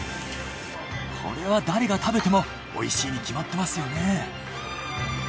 これは誰が食べてもおいしいに決まってますよね。